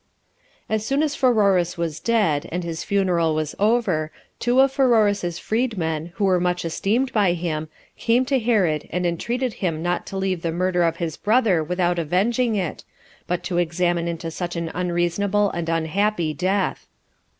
1. As soon as Pheroras was dead, and his funeral was over, two of Pheroras's freed men, who were much esteemed by him, came to Herod, and entreated him not to leave the murder of his brother without avenging it, but to examine into such an unreasonable and unhappy death.